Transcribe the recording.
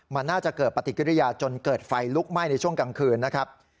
มันน่าจะเกิดปฏิกิริยาจนเกิดไฟลุกไหม้ในช่วงกลางคืนนะครับ